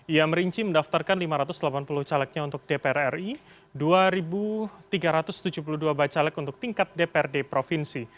ia merinci mendaftarkan lima ratus delapan puluh calegnya untuk dpr ri dua tiga ratus tujuh puluh dua bacalek untuk tingkat dprd provinsi